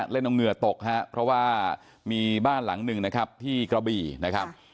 เล่นเอาเหงื่อตกฮะเพราะว่ามีบ้านหลังหนึ่งนะครับที่กระบี่นะครับ